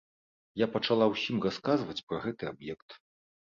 Я пачала ўсім расказваць пра гэты аб'ект.